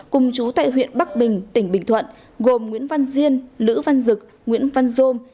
cùng chú tại huyện bắc bình tỉnh bình thuận gồm nguyễn văn diên lữ văn dực nguyễn văn dôm